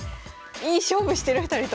いい勝負してる２人とも。